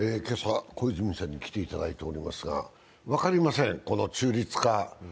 今朝、小泉さんに来ていただいておりますが、分かりません、中立化。